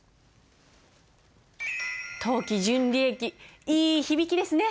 当期純利益いい響きですね。